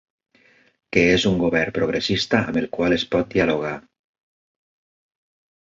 Que és un govern progressista amb el qual es pot dialogar.